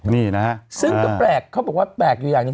นี่นะฮะซึ่งก็แปลกเขาบอกว่าแปลกอยู่อย่างหนึ่ง